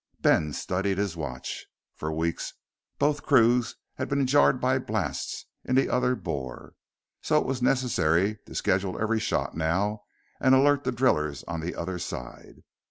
Ben studied his watch. For weeks, both crews had been jarred by blasts in the other bore; so it was necessary to schedule every shot now and alert the drillers on the other side.